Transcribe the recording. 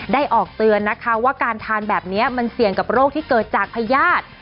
ออกเตือนนะคะว่าการทานแบบนี้มันเสี่ยงกับโรคที่เกิดจากพญาติ